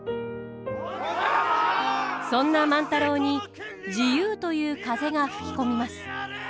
そんな万太郎に自由という風が吹き込みます。